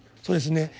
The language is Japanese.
そうですね。